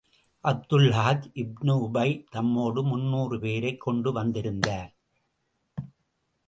அப்துல்லாஹ் இப்னு உபை தம்மோடு முந்நூறு பேரைக் கொண்டு வந்திருந்தார்.